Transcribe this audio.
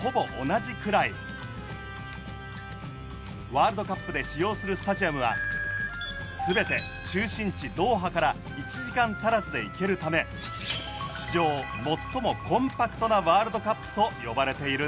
ワールドカップで使用するスタジアムは全て中心地ドーハから１時間足らずで行けるため史上最もコンパクトなワールドカップと呼ばれているんです。